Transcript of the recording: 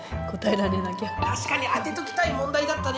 確かに当てときたい問題だったね。